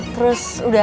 terus udaranya enak